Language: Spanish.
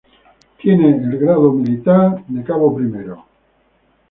Tiene el grado militar de general.